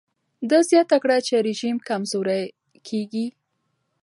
ده زیاته کړه چې رژیم کمزوری کېږي.